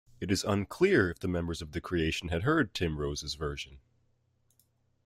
It is unclear if the members of The Creation had heard Tim Rose's version.